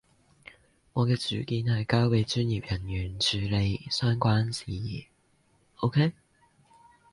我嘅主見就係交畀專業人員處理相關事宜，OK？